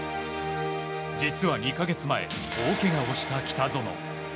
実は２か月前大けがをした北園。